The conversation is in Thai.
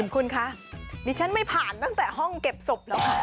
คุณคะดิฉันไม่ผ่านตั้งแต่ห้องเก็บศพแล้วค่ะ